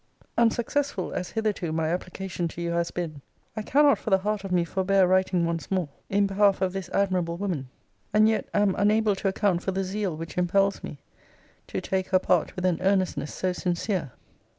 Unsuccessful as hitherto my application to you has been, I cannot for the heart of me forbear writing once more in behalf of this admirable woman: and yet am unable to account for the zeal which impels me to take her part with an earnestness so sincere.